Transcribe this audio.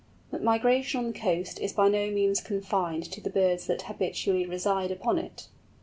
But migration on the coast is by no means confined to the birds that habitually reside upon it.